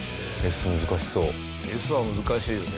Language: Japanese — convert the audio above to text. Ｓは難しいよね。